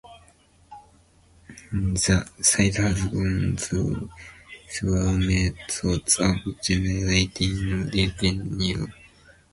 The site has gone through several methods of generating revenue.